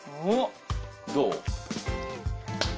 どう？